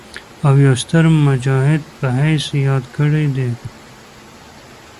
او يو ستر مجاهد پۀ حييث ياد کړي دي